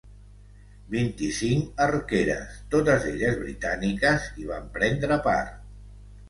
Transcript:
Vint-i-cinc arqueres, totes elles britàniques, hi van prendre part.